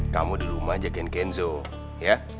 kamu di rumah ajakin kenzo ya